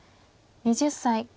２０歳。